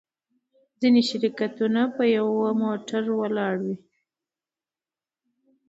ځینې شرکتونه په یوه موټر ولاړ وي.